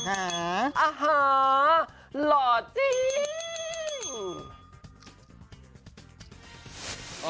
หล่อจริง